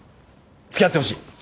付き合ってほしい！